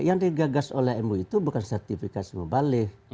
yang digagas oleh mui itu bukan sertifikasi mubalik